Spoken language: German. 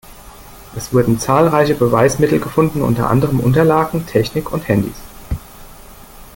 Es wurden zahlreiche Beweismittel gefunden, unter anderem Unterlagen, Technik und Handys.